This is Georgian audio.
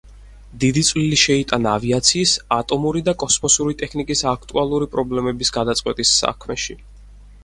დიდი წვლილი შეიტანა ავიაციის, ატომური და კოსმოსური ტექნიკის აქტუალური პრობლემების გადაწყვეტის საქმეში.